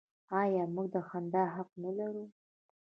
آیا موږ د خندا حق نلرو؟